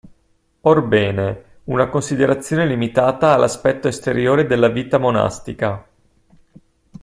Orbene, una considerazione limitata all'aspetto esteriore della vita monastica.